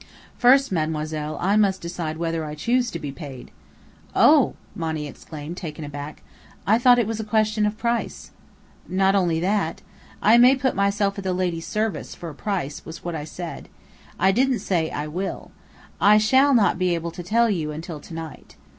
"First, Mademoiselle, I must decide whether I choose to be paid." "Oh!" Monny exclaimed, taken aback. "I thought it was a question of price." "Not only that. 'I may put myself at the lady's service for a price,' was what I said. I didn't say, 'I will.' I shall not be able to tell you until to night."